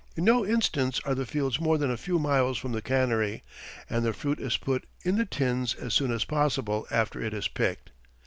In no instance are the fields more than a few miles from the cannery, and the fruit is put in the tins as soon as possible after it is picked.